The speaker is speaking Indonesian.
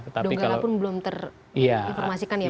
donggala pun belum terinformasikan ya